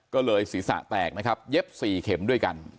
ก็เลยศีรษะแตกนะครับเย็บ๔เข็มด้วยกัน